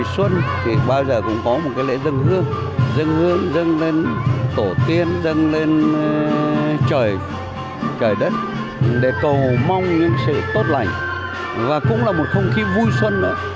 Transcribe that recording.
lễ dân hương thì bao giờ cũng có một cái lễ dân hương dân hương dân lên tổ tiên dân lên trời đất để cầu mong những sự tốt lành và cũng là một không khí vui xuân nữa